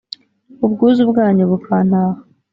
ubwuzu bwanyu bukantaha.